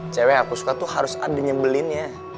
cewek aku suka tuh harus ada nyebelinnya